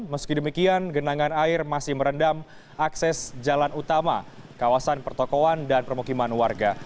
meski demikian genangan air masih merendam akses jalan utama kawasan pertokohan dan permukiman warga